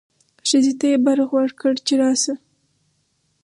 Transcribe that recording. ښځې ته یې برغ وکړ چې راشه.